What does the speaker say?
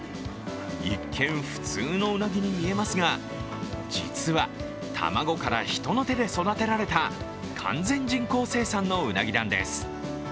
一見、普通のウナギに見えますが、実は卵から人の手で育てられた完全人工生産のウナギなんです。